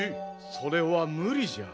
それは無理じゃ。